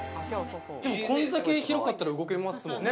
こんだけ広かったら動けますもんね。